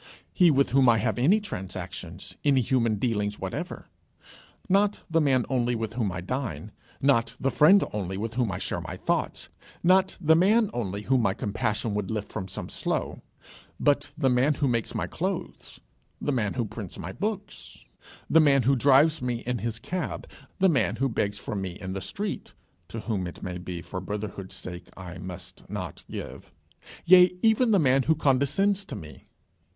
He with whom I have any transactions, any human dealings whatever. Not the man only with whom I dine; not the friend only with whom I share my thoughts; not the man only whom my compassion would lift from some slough; but the man who makes my clothes; the man who prints my book; the man who drives me in his cab; the man who begs from me in the street, to whom, it may be, for brotherhood's sake, I must not give; yea, even the man who condescends to me.